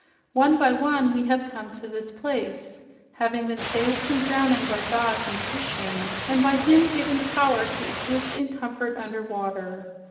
One by one we have come to this place, having been saved from drowning by Zog, the Magician, and by him given power to exist in comfort under water.